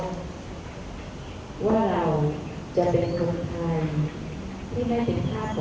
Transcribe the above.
สวัสดีครับสวัสดีครับ